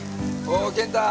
おー健太。